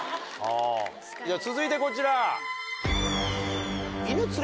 続いてこちら。